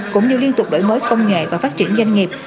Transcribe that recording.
cũng như liên tục đổi mới công nghệ và phát triển doanh nghiệp